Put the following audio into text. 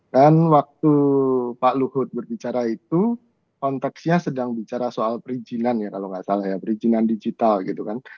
dan waktu pak luhut berbicara itu konteksnya sedang bicara soal perizinan ya kalau nggak salah ya perizinan digital gitu kan